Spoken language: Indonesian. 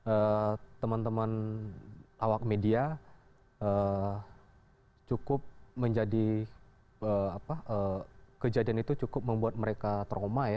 eh teman teman awak media eh cukup menjadi eh apa eh kejadian itu cukup membuat mereka trauma ya